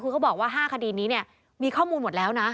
คือเขาบอกว่า๕คดีนี้เนี่ยมีข้อมูลหมดแล้วนะ